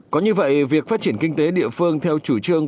có như vậy việc phát triển kinh tế địa phương theo chủ trương